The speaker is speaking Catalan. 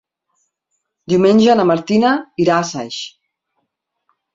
Diumenge na Martina irà a Saix.